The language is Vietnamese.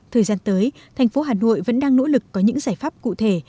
thời gian tới thành phố hà nội vẫn đang nỗ lực có những giải pháp cụ thể